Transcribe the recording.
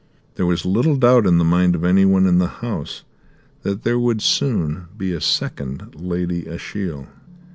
There was little doubt in the mind of anyone in the house that there would soon be a second Lady Ashiel.